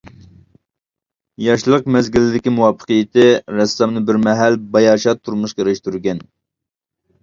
ياشلىق مەزگىلىدىكى مۇۋەپپەقىيىتى رەسسامنى بىر مەھەل باياشات تۇرمۇشقا ئېرىشتۈرگەن.